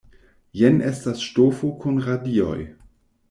Jen estas ŝtofo kun radioj!